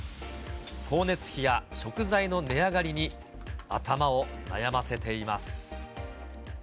光熱費や食材の値上がりに頭を悩ませています。